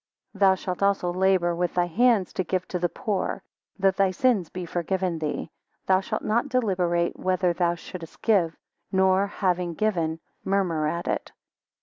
20 Thou shaft also labour with thy hands to give to the poor, that thy sins may be forgiven thee, Thou shalt not deliberate whether thou shouldst give; nor having given, murmur at it.